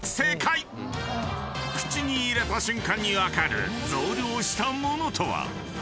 ［口に入れた瞬間に分かる増量したものとは？］